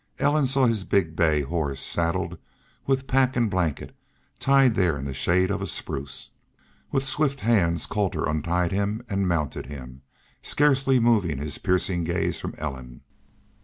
Ellen saw his big bay horse, saddled, with pack and blanket, tied there in the shade of a spruce. With swift hands Colter untied him and mounted him, scarcely moving his piercing gaze from Ellen.